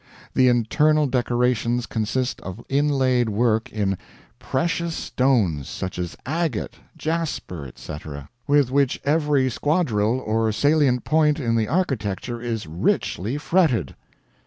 The internal decorations consist of inlaid work in precious stones, such as agate, jasper, etc., with which every squandril or salient point in the architecture is richly fretted.